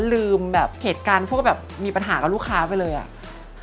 ลืมแบบเหตุการณ์พวกแบบมีปัญหากับลูกค้าไปเลยอ่ะ